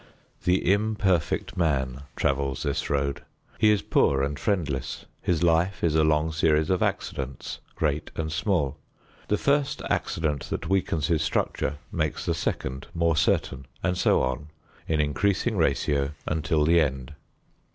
The imperfect man travels this road; he is poor and friendless; his life is a long series of accidents great and small. The first accident that weakens his structure makes the second more certain and so on in increasing ratio until the end.